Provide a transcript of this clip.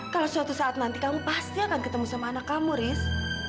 kalau suatu saat nanti kamu pasti akan ketemu sama anak kamu riz